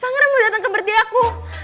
pangeran mau dateng ke berdiaku